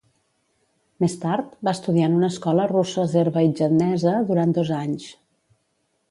Més tard, va estudiar en una escola russo-azerbaidjanesa durant dos anys.